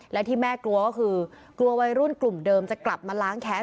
และที่แม่กลัวก็คือกลัววัยรุ่นกลุ่มเดิมจะกลับมาล้างแค้น